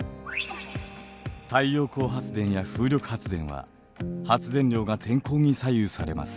太陽光発電や風力発電は発電量が天候に左右されます。